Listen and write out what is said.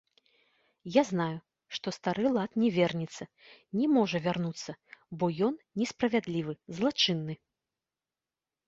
Я знаю, што стары лад не вернецца, не можа вярнуцца, бо ён несправядлівы, злачынны.